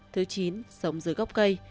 thứ chín sống dưới góc cây